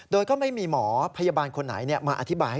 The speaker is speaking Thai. โดยก็ไม่มีหมอพยาบาลคนไหนมาอธิบายให้เธอเข้าใจ